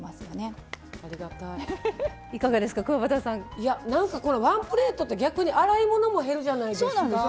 いやワンプレートって逆に洗い物も減るじゃないですか。